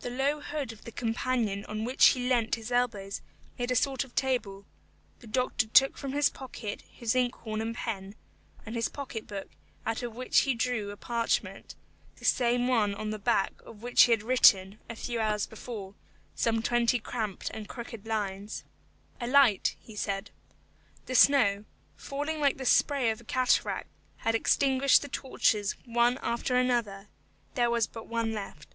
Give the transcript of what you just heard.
The low hood of the companion on which he leant his elbows made a sort of table; the doctor took from his pocket his inkhorn and pen, and his pocket book out of which he drew a parchment, the same one on the back of which he had written, a few hours before, some twenty cramped and crooked lines. "A light," he said. The snow, falling like the spray of a cataract, had extinguished the torches one after another; there was but one left.